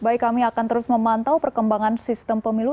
baik kami akan terus memantau perkembangan sistem pemilu